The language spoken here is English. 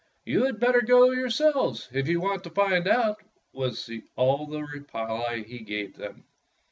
"You had better go yourselves, if you want to find out," was all the reply he gave them.